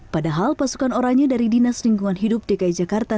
padahal pasukan orangnya dari dinas lingkungan hidup dki jakarta